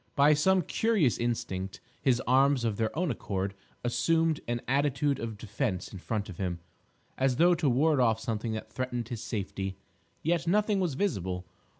By some curious instinct, his arms of their own accord assumed an attitude of defence in front of him, as though to ward off something that threatened his safety. Yet nothing was visible.